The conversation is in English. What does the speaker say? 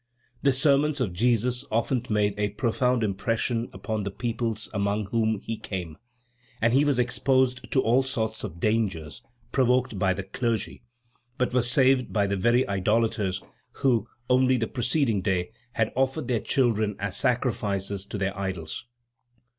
The sermons of Jesus often made a profound impression upon the peoples among whom he came, and he was exposed to all sorts of dangers provoked by the clergy, but was saved by the very idolators who, only the preceding day, had offered their children as sacrifices to their idols.